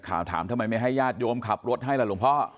ถามทำไมไม่ให้ญาติโยมขับรถให้ล่ะหลวงพ่อ